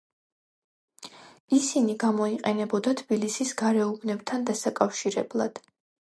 ისინი გამოიყენებოდა თბილისის გარეუბნებთან დასაკავშირებლად.